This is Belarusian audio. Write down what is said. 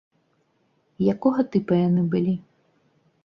Якога тыпа яны былі?